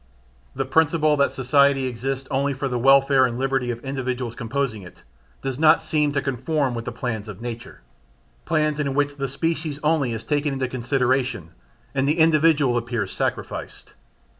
The principle that society exists only for the welfare and liberty of individuals composing it, does not seem to conform with the plans of nature: plans in which the species only is taken into consideration and the individual appears sacrificed.